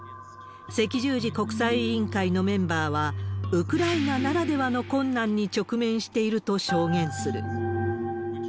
赤十字国際委員会のメンバーは、ウクライナならではの困難に直面していると証言する。